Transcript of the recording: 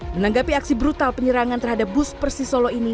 menanggapi aksi brutal penyerangan terhadap bus persisolo ini